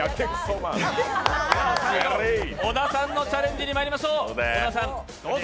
小田さんのチャレンジにまいりましょう。